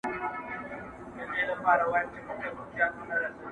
بیا تر مرګه مساپر یم نه ستنېږم.!